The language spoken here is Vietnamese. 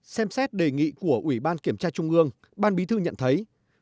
xem xét đề nghị của ủy ban kiểm tra trung ương ban bí thư nhận thấy